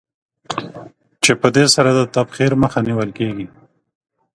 چې په دې سره د تبخیر مخه نېول کېږي.